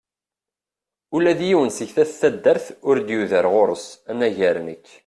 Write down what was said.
Ula d yiwen seg at taddart ur yuder ɣur-s, anagar nekk.